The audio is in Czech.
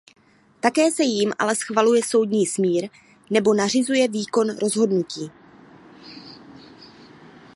Také se jím ale schvaluje soudní smír nebo nařizuje výkon rozhodnutí.